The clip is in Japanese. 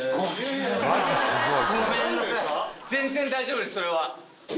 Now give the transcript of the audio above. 全然大丈夫ですそれは。